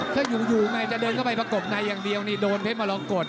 ถ้าอยู่อยู่ไงเธอเดินไปประกบในอย่างเดียวดิโดนเพชรมะละโกด